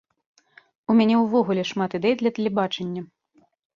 У мяне ўвогуле шмат ідэй для тэлебачання.